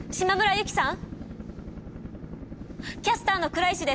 由希さん！